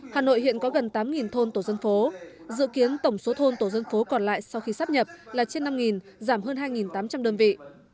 hà nội hiện có gần tám thôn tổ dân phố dự kiến tổng số thôn tổ dân phố còn lại sau khi sắp nhập là trên năm giảm hơn hai tám trăm linh đơn vị